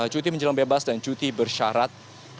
cuti menjelang bebas dan cuti bersyarat